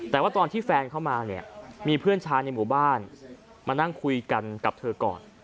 แต่ว่าตอนที่แฟนเข้ามาเนี่ยมีเพื่อนชายในหมู่บ้านมานั่งคุยกันกับเธอก่อน